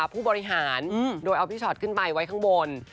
ผู้บริหารโดยเอาพี่ชอตขึ้นไปไว้ข้างบน